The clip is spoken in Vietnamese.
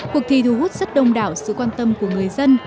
cuộc thi thu hút rất đông đảo sự quan tâm của người dân